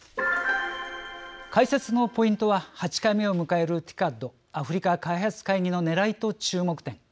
解説のポイントは８回目を迎えるＴＩＣＡＤ＝アフリカ開発会議のねらいと注目点。